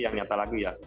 yang nyata lagi ya